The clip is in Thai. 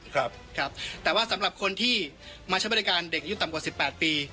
ครับครับแต่ว่าสำหรับคนที่มาใช้บริการเด็กอายุต่ำกว่าสิบแปดปี